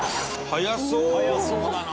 速そうだな。